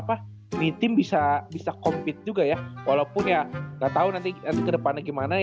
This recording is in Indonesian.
ini tim bisa compete juga ya walaupun ya gak tau nanti kedepannya gimana